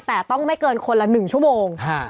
แต่ต้องไม่เกินคนละ๑ชั่วโมง